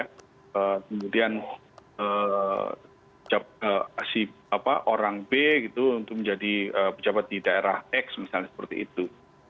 kemudian si orang b gitu untuk menjadi pejabat di daerah x misalnya seperti itu